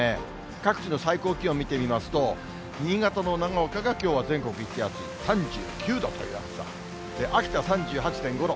各地の最高気温見てみますと、新潟の長岡がきょうは全国一暑い、３９度という暑さ、秋田３８．５度。